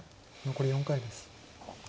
残り４回です。